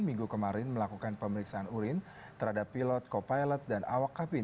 minggu kemarin melakukan pemeriksaan urin terhadap pilot co pilot dan awak kabin